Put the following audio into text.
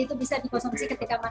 itu bisa kita konsumsi ketika berbuka